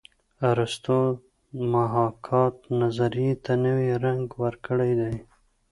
ارستو د محاکات نظریې ته نوی رنګ ورکړی دی